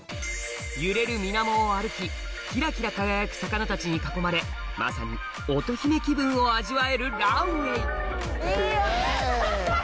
揺れる水面を歩ききらきら輝く魚たちに囲まれまさに乙姫気分を味わえるランウェイイェイ。